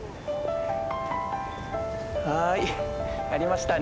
はいやりましたね。